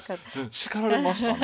叱られましたね。